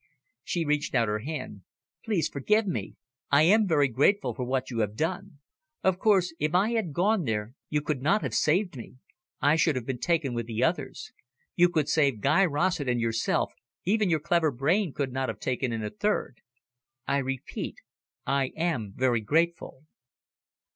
She reached out her hand. "Please forgive me. I am very grateful for what you have done. Of course, if I had gone there you could not have saved me. I should have been taken with the others. You could save Guy Rossett and yourself, even your clever brain could not have taken in a third. I repeat, I am very grateful."